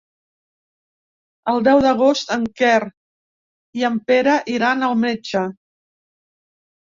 El deu d'agost en Quer i en Pere iran al metge.